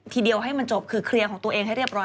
ทีเดียวให้มันจบคือเคลียร์ของตัวเองให้เรียบร้อย